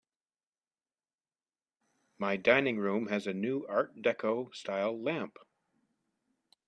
My dining room has a new art deco style lamp.